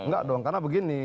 tidak dong karena begini